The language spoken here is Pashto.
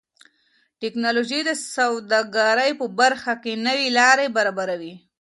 ټکنالوژي د سوداګرۍ په برخه کې نوې لارې برابروي.